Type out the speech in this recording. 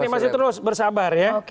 ya kita masih terus bersabar ya